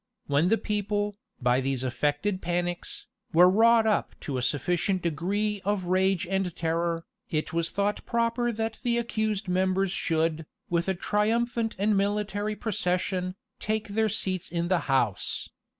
When the people, by these affected panics, were wrought up to a sufficient degree of rage and terror, it was thought proper that the accused members should, with a triumphant and military procession, take their seats in the house.